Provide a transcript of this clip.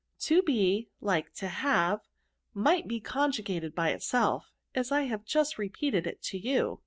" To be, like to have, might be conjugated by itself, as I have just repeated it to you.